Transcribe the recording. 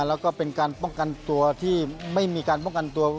แล้วก็เป็นการป้องกันตัวที่ไม่มีการป้องกันตัว